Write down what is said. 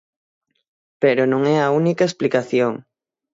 Pero non é a única explicación.